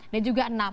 enam dan juga enam